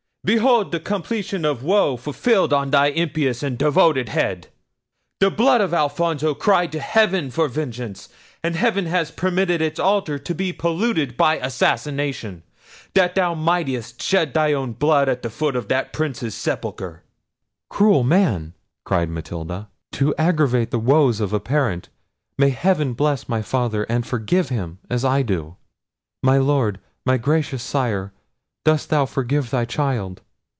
behold the completion of woe fulfilled on thy impious and devoted head! The blood of Alfonso cried to heaven for vengeance; and heaven has permitted its altar to be polluted by assassination, that thou mightest shed thy own blood at the foot of that Prince's sepulchre!" "Cruel man!" cried Matilda, "to aggravate the woes of a parent; may heaven bless my father, and forgive him as I do! My Lord, my gracious Sire, dost thou forgive thy child?